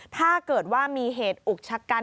ถ้าเกิดว่ามีเหตุอุกชะกัน